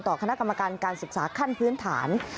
คณะกรรมการการศึกษาขั้นพื้นฐาน